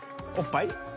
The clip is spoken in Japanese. おっぱい？